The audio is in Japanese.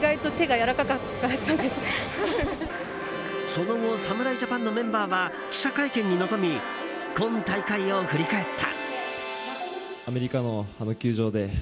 その後侍ジャパンのメンバーは記者会見に臨み今大会を振り返った。